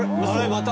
また。